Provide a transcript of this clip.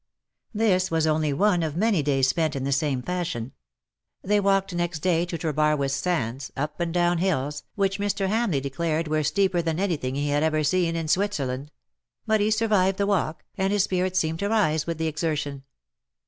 This was only one of many days spent in the same fashion. They walked next day to Trebarwith sands, up and down hills, which Mr. Hamleigh declared were steeper than anything he had ever seen in Switzerland ; but he survived the walk, and his spirits seemed to rise with the exertion.